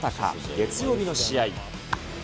月曜日の試合。